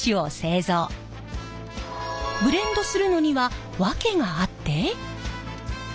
ブレンドするのには訳があって。